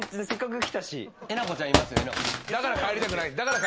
だから帰りたくない。